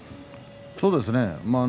そうですね。